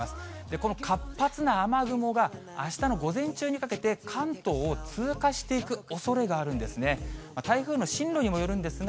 この活発な雨雲が、あしたの午前中にかけて、関東を通過していくおそれがあるんですね。